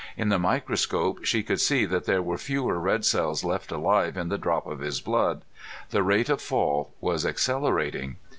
In the microscope she could see that there were fewer red cells left alive in the drop of his blood. The rate of fall was accelerating.